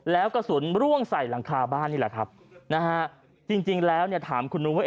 แล้วกระสุนร่วงใส่หลังคาบ้านนี่แหละครับนะฮะจริงแล้วเนี่ยถามคุณนุ้งว่า